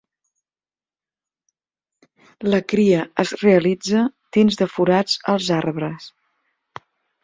La cria es realitza dins de forats als arbres.